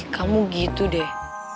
kamu gitu deh